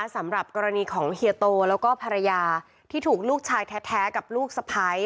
สำหรับกรณีของเฮียโตแล้วก็ภรรยาที่ถูกลูกชายแท้กับลูกสะพ้าย